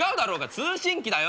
通信機だよ。